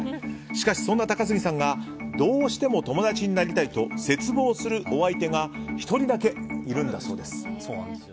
しかし、そんな高杉さんがどうしても友達になりたいと切望するお相手が１人だけいるんだそうです。